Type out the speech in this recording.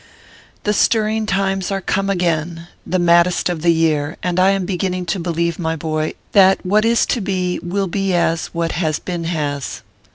THE stirring times are come again, the maddest of the year, and I am beginning to believe,, my boy, that what is to be will be as what has been has.